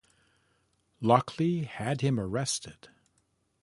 Lochley had him arrested.